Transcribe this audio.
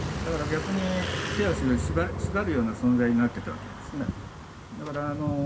逆に手足を縛るような存在になっていたんですね。